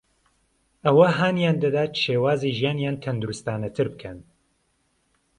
ئەوە هانیان دەدات شێوازی ژیانیان تەندروستانەتر بکەن